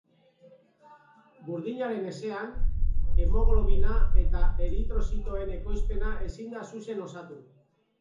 Burdinaren ezean, hemoglobina eta eritrozitoen ekoizpena ezin da zuzen osatu.